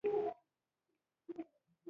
دا میوه د زړه روغتیا ته ګټه لري.